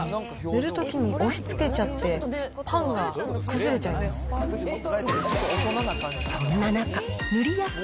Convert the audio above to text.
塗るときに押しつけちゃって、パンが崩れちゃいます。